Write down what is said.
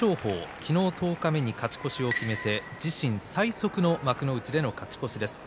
昨日、十日目に勝ち越しを決めて自身最速の幕内の勝ち越しです。